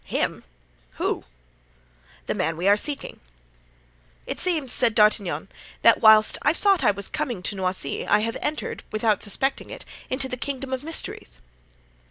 "Him? whom?" "The man we are seeking." "It seems," said D'Artagnan, "that whilst I thought I was coming to Noisy I have entered, without suspecting it, into the kingdom of mysteries."